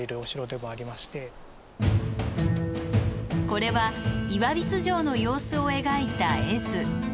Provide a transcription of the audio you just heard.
これは岩櫃城の様子を描いた絵図。